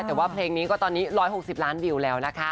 แต่ว่าเพลงนี้ก็ตอนนี้๑๖๐ล้านวิวแล้วนะคะ